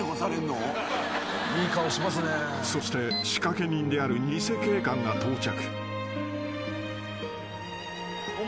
［そして仕掛け人である偽警官が到着］